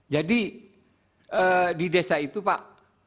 jadi di desa itu pak